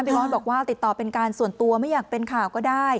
ออสบอกว่าติดต่อเป็นการส่วนตัวไม่อยากเป็นข่าวก็ได้